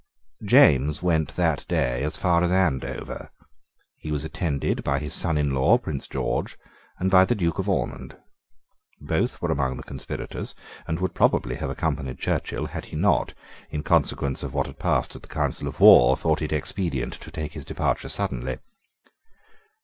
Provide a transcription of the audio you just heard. James went that day as far as Andover. He was attended by his son in law Prince George, and by the Duke of Ormond. Both were among the conspirators, and would probably have accompanied Churchill, had he not, in consequence of what had passed at the council of war, thought it expedient to take his departure suddenly.